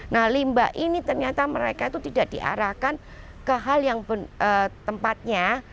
nah limba ini ternyata mereka itu tidak diarahkan ke hal yang tempatnya